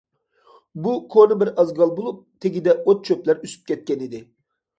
بۇ كونا بىر ئازگال بولۇپ تېگىدە ئوت چۆپلەر ئۆسۈپ كەتكەن ئىكەن.